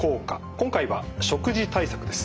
今回は食事対策です。